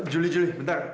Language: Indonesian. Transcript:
juli juli bentar